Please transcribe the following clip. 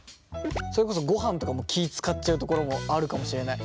それこそごはんとかも気遣っちゃうところもあるかもしれない。